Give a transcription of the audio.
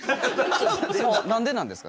それ何でなんですか？